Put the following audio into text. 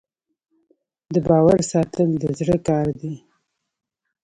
د باور ساتل د زړه کار دی.